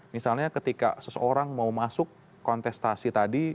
misalnya ketika seseorang mau masuk kontestasi tadi